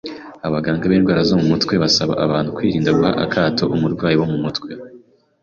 Abaganga b’indwara zo mu mutwe basaba abantu kwirinda guha akato umurwayi wo mu mutwe